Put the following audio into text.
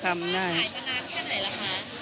ขายตอนนั้นแค่ไหนล่ะคะ